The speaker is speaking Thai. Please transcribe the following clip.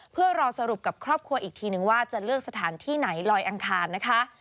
เพื่อรอสรุปกับครอบครัวอีกทีนึงว่าจะเลือกสถานที่ไหนลอยอังคารนะคะ